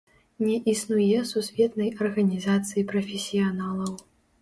Не існуе сусветнай арганізацыі прафесіяналаў.